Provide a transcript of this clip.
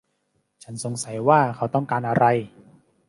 ฉันสงสัยว่าเขาต้องการอะไร